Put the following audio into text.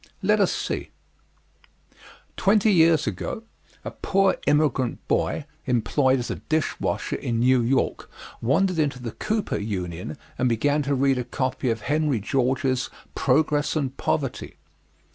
Let us see. Twenty years ago a poor immigrant boy, employed as a dish washer in New York, wandered into the Cooper Union and began to read a copy of Henry George's "Progress and Poverty."